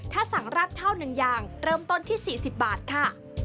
ถ้าสั่งราดข้าว๑อย่างเริ่มต้นที่๔๐บาทค่ะ